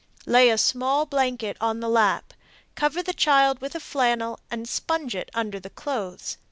Lay a small blanket on the lap, cover the child with a flannel and sponge it under the clothes.